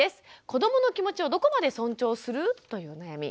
子どもの気持ちをどこまで尊重する？というお悩み。